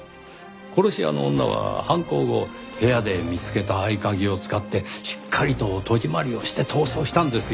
殺し屋の女は犯行後部屋で見つけた合鍵を使ってしっかりと戸締まりをして逃走したんですよ。